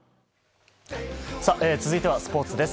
続いてはスポーツです。